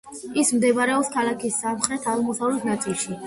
ის მდებარეობს ქალაქის სამხრეთ-აღმოსავლეთ ნაწილში.